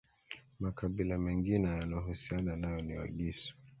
Makabila mengine yanayohusiana nao ni Wagisu